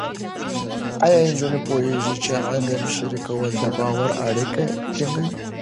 ایا نجونې پوهېږي چې علم شریکول د باور اړیکې ټینګوي؟